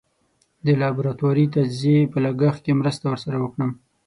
د لابراتواري تجزیې په لګښت کې مرسته ور سره وکړم.